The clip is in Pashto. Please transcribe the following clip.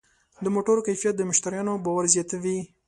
د موټرو کیفیت د مشتریانو باور زیاتوي.